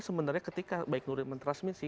sebenarnya ketika baik nuril mentransmisi